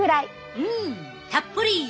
うんたっぷり！